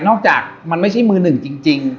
อกจากมันไม่ใช่มือหนึ่งจริง